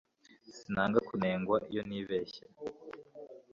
Sinanga kunengwa iyo nibeshye